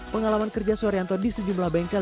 pengalaman kerja suharyanto di sejumlah bengkel